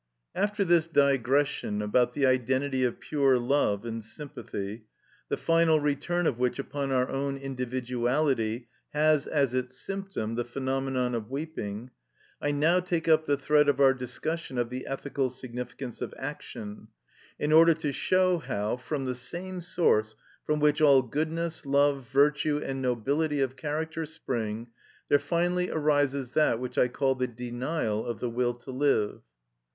After this digression about the identity of pure love and sympathy, the final return of which upon our own individuality has, as its symptom, the phenomenon of weeping, I now take up the thread of our discussion of the ethical significance of action, in order to show how, from the same source from which all goodness, love, virtue, and nobility of character spring, there finally arises that which I call the denial of the will to live.